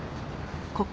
ここ